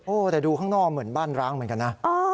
แต่ดูข้างนอกเหมือนบ้านร้างเหมือนกันนะ